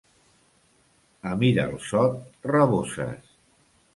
A Miralsot, raboses.